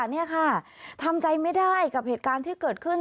นี่ค่ะทำใจไม่ได้กับเหตุการณ์ที่เกิดขึ้น